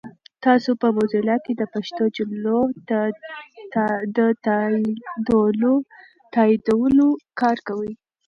تاسو په موزیلا کې د پښتو جملو د تایدولو کار کوئ؟